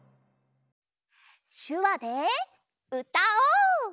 しゅわでうたおう！